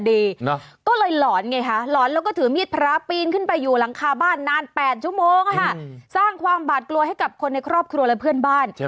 เบิร์ตลมเสียโอ้โหเบิร์ตลมเสียโอ้โหเบิร์ตลมเสียโอ้โหเบิร์ตลมเสียโอ้โหเบิร์ตลมเสียโอ้โห